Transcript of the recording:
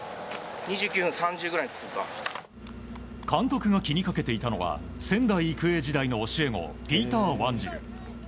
監督が気にかけていたのは仙台育英時代の教え子ピーター・ワンジル。